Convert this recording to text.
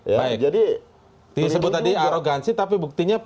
ya jadi disebut tadi arogansi tapi buktinya